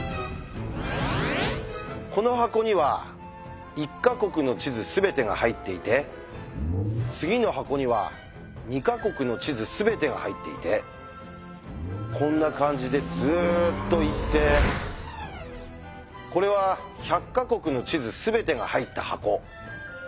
この箱には１か国の地図全てが入っていて次の箱には２か国の地図全てが入っていてこんな感じでずっといってこれは１００か国の地図全てが入った箱。